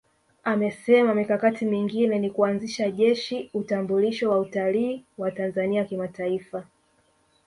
Amesema mikakati mingine ni kuanzisha Jeshi Utambulisho wa Utalii wa Tanzania Kimataifa